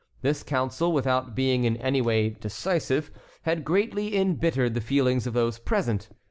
This council, without being in any way decisive, had greatly embittered the feelings of those present.